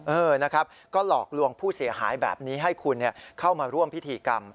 เออนะครับก็หลอกลวงผู้เสียหายแบบนี้ให้คุณเข้ามาร่วมพิธีกรรม